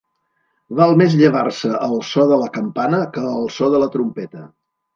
Val més llevar-se al so de la campana que al so de la trompeta.